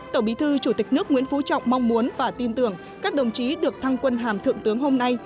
tổng bí thư chủ tịch nước nguyễn phú trọng mong muốn và tin tưởng các đồng chí được thăng quân hàm thượng tướng hôm nay